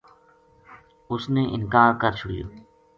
اُس نے انکار کر چھُڑیو